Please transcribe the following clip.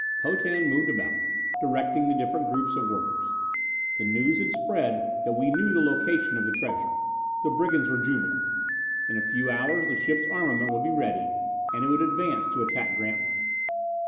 Potan moved about, directing the different groups of workers. The news had spread that we knew the location of the treasure. The brigands were jubilant. In a few hours the ship's armament would be ready, and it would advance to attack Grantline.